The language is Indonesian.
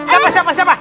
siapa siapa siapa